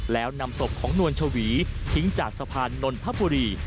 แล้วนำศพของนวลชวีทิ้งจากสะพานนนทบุรี